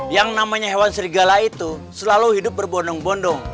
yang namanya hewan serigala itu selalu hidup berbondong bondong